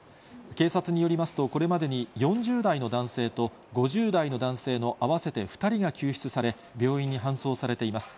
警察によりますと、これまでに４０代の男性と５０代の男性の合わせて２人が救出され、病院に搬送されています。